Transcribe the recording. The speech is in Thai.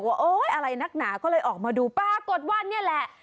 โอ๊ยอะไรนักหนาก็เลยออกมาดูปรากฏว่านี่แหละ